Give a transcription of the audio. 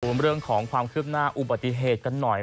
เรื่องของความคืบหน้าอุบัติเหตุกันหน่อย